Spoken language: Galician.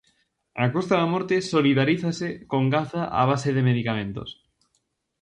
A Costa da Morte solidarízase con Gaza a base de medicamentos.